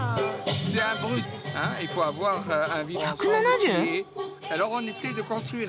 １７０！？